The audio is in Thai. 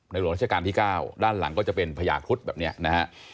หลวงราชการที่๙ด้านหลังก็จะเป็นพญาครุฑแบบนี้นะฮะ